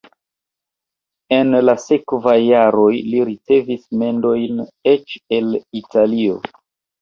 En la sekvaj jaroj li ricevis mendojn eĉ el Italio.